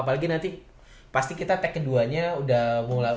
apalagi nanti pasti kita tag keduanya udah mulai